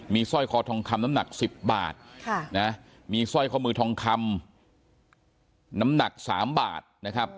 สร้อยคอทองคำน้ำหนัก๑๐บาทมีสร้อยข้อมือทองคำน้ำหนัก๓บาทนะครับ